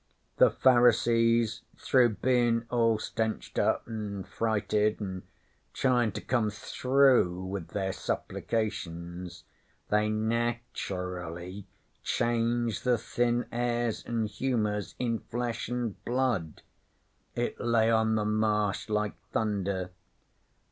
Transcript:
The Pharisees through bein' all stenched up an' frighted, an' trying' to come through with their supplications, they nature ally changed the thin airs an' humours in Flesh an' Blood. It lay on the Marsh like thunder.